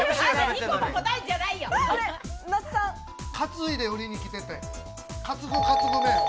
担いで売りに来てて、担ぐ麺。